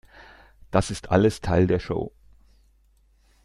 Das ist alles Teil der Show.